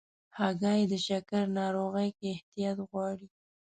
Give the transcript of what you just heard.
هګۍ د شکر ناروغۍ کې احتیاط غواړي.